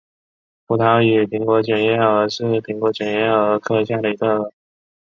葡萄与苹果卷叶蛾是卷叶蛾科下的一种蛾。